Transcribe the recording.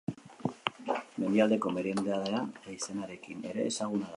Mendialdeko merindadea izenarekin ere ezaguna da.